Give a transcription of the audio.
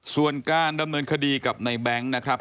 ส่วนการดำเนินคดีกับในแบงค์นะครับ